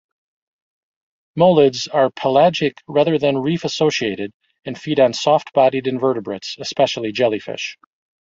Molids are pelagic rather than reef-associated and feed on soft-bodied invertebrates, especially jellyfish.